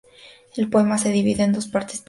El poema se divide en dos partes principales.